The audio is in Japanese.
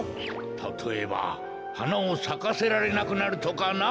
たとえばはなをさかせられなくなるとかな。